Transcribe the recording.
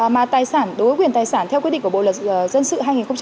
mà tài sản đối với quyền tài sản theo quy định của bộ luật dân sự hai nghìn một mươi năm